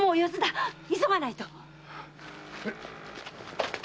急がないと！